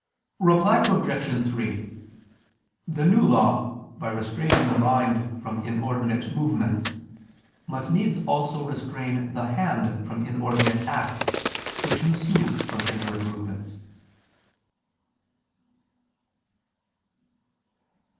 Reply Obj. 3: The New Law, by restraining the mind from inordinate movements, must needs also restrain the hand from inordinate acts, which ensue from inward movements.